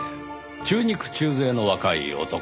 中肉中背の若い男。